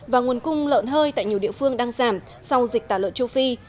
và nguồn cung lợn hơi tại nhiều địa phương đang giảm sau dịch tả lợn châu phi